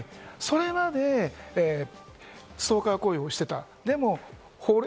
それはね、ストーカー行為をしていた。